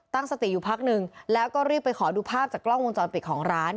ตั้งสติอยู่พักหนึ่งแล้วก็รีบไปขอดูภาพจากกล้องวงจรปิดของร้าน